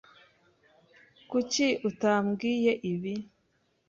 Kuki utambwiye ibi?